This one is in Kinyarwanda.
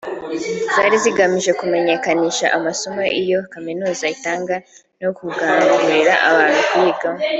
zari zigamije kumenyakanisha amasomo iyo kaminuza itanga no gukangurira abantu kuyigamo